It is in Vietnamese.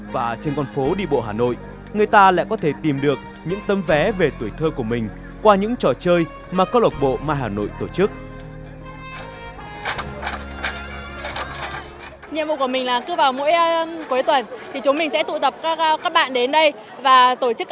và trên con phố đi bộ hà nội người ta lại có thể tìm được những tấm vé về tuổi thơ của mình qua những trò chơi mà câu lọc bộ mà hà nội tổ chức